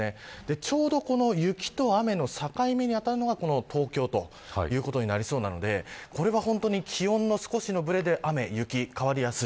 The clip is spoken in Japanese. ちょうど雪と雨の境目に当たるのが東京ということになりそうなのでこれは本当に気温の少しのぶれで雨、雪、変わりやすい。